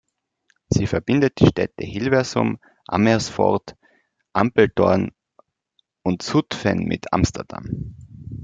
Sie verbindet die Städte Hilversum, Amersfoort, Apeldoorn und Zutphen mit Amsterdam.